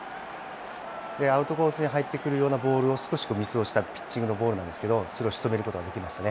アウトコースに入ってくるようなボールを少しミスをしたピッチングなんですけど、それをしとめることができましたね。